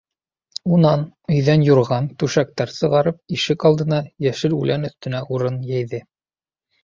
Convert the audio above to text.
Унан, өйҙән юрған, түшәктәр сығарып, ишек алдына, йәшел үлән өҫтөнә урын йәйҙе.